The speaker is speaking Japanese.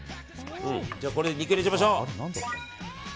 これで肉入れちゃいましょう。